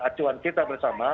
acuan kita bersama